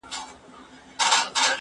چي له لاسه مي دهقان لره كور اور سو